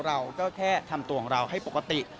เราก็แค่ทำตัวของเราให้ปกติ